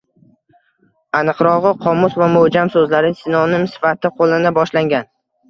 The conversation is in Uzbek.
Aniqrog‘i, “qomus” va “mo‘’jam” so‘zlari sinonim sifatida qo‘llana boshlangan.